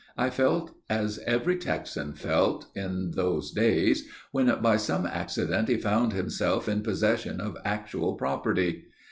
I felt as every Texan felt, in those days, when by some accident he found himself in possession of actual property.